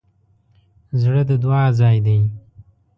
زړه د دعا ځای دی.